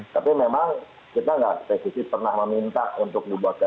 tapi memang kita nggak spesifik pernah meminta untuk dibuatkan